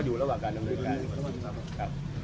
สมมุติแล้ววันนี้มีข้อหาหรอก